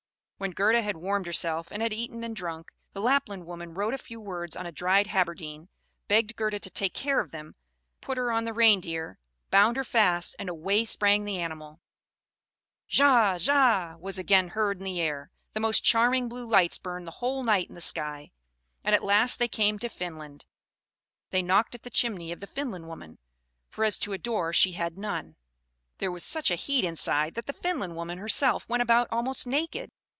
When Gerda had warmed herself, and had eaten and drunk, the Lapland woman wrote a few words on a dried haberdine, begged Gerda to take care of them, put her on the Reindeer, bound her fast, and away sprang the animal. "Ddsa! Ddsa!" was again heard in the air; the most charming blue lights burned the whole night in the sky, and at last they came to Finland. They knocked at the chimney of the Finland woman; for as to a door, she had none. There was such a heat inside that the Finland woman herself went about almost naked.